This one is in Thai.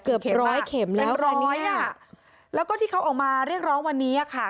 ร้อยเข็มแล้วร้อยอ่ะแล้วก็ที่เขาออกมาเรียกร้องวันนี้อ่ะค่ะ